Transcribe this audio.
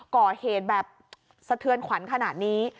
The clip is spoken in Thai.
ก่อเหตุแบบสะเทือนขวัญขนาดนี้